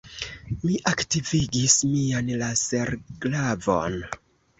Mi aktivigis mian laserglavon.